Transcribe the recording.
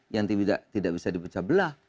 yang tidak bisa dipecah belah